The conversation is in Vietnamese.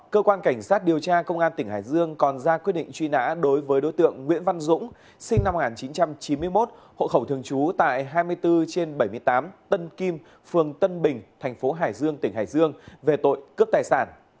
cơ quan cảnh sát điều tra công an tỉnh hải dương còn ra quyết định truy nã đối với đối tượng nguyễn văn dũng sinh năm một nghìn chín trăm chín mươi một hộ khẩu thường trú tại hai mươi bốn trên bảy mươi tám tân kim phường tân bình thành phố hải dương tỉnh hải dương về tội cướp tài sản